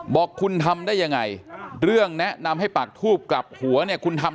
บอกคุณทำได้ยังไงเรื่องแนะนำให้ปากทูบกลับหัวเนี่ยคุณทำ